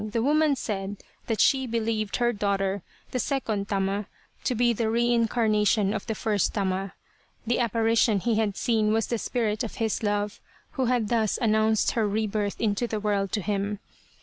"5 The Reincarnation of Tama woman said that she believed her daughter, the second Tama, to be the re incarnation of the first Tama. The apparition he had seen was the spirit of his love who had thus announced her rebirth into the world to him.